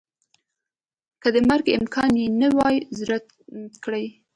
که د مرګ امکان یې نه وای رد کړی